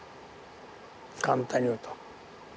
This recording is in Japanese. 簡単に言うと。